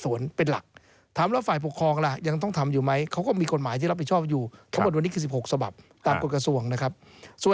ซึ่งความผิดนอกราชนาศักดิ์ท่านอาจารย์ก็มีอาจารย์การสูงสุด